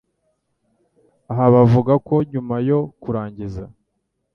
Aha bavuga ko nyuma yo kurangiza